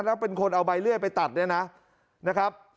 แล้วเป็นคนเอาใบเลื่อยไปตัดเนี่ยนะครับ